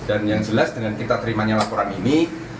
yang jelas dengan kita terimanya laporan ini